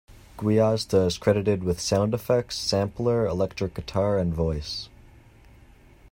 Gwiazda is credited with sound effects, sampler, electric guitar and voice.